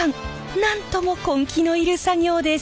なんとも根気のいる作業です。